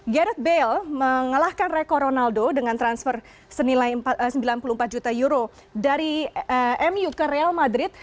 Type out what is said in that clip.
garet bale mengalahkan rekor ronaldo dengan transfer senilai sembilan puluh empat juta euro dari mu ke real madrid